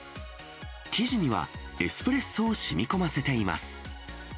生地には、エスプレッソをしみ込ませています。